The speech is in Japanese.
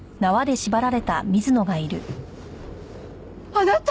あなた！